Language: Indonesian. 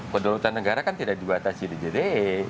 pendudukan negara kan tidak dibatasi di jte